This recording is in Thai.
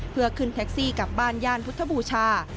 เพื่อขึ้นแท็กซี่กลับบ้านย่านพุทธบูชา